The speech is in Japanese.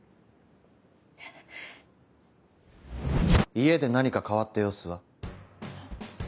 家で何か変わった様子は？